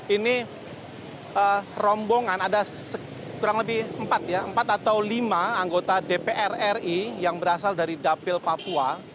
ini rombongan ada kurang lebih empat ya empat atau lima anggota dpr ri yang berasal dari dapil papua